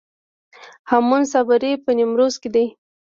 هامون صابري په نیمروز کې دی